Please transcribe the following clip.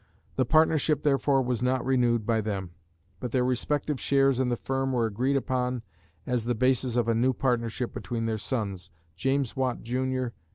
The partnership therefore was not renewed by them, but their respective shares in the firm were agreed upon as the basis of a new partnership between their sons, James Watt, Jr.